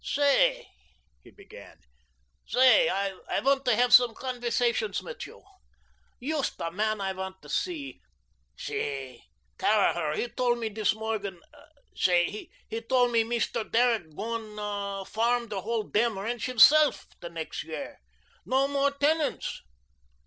"Say," he began. "Say, I want to hef some converzations mit you. Yoost der men I want to see. Say, Caraher, he tole me dis morgen say, he tole me Mist'r Derrick gowun to farm der whole demn rench hisseluf der next yahr. No more tenants.